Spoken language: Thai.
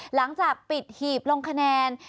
หลังจากปิดหีบลงคะแนน